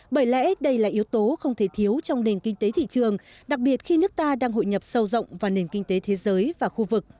bởi lẽ đây là yếu tố không thể thiếu trong nền kinh tế thị trường đặc biệt khi nước ta đang hội nhập sâu rộng vào nền kinh tế thế giới và khu vực